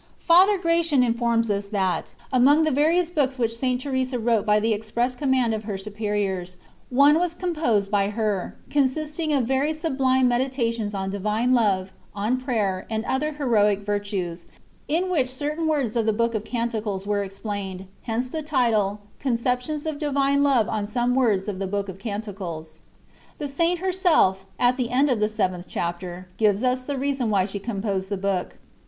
Father Gracian informs us that^ among the various books which St. Teresa wrote by the ex press command of her superiors, one was com posed by her, consisting of very sublime medita tions on Divine ijove, on VrBjer, and other heroic virtues, in which certain words of the Book of Canticles were explained ; hence the title, '^ Con ceptions of Divine Love on some Words of the Book of Canticles/^" The Saint herself, at the end of the seventh Chapter, gives us the reason why she composed the book.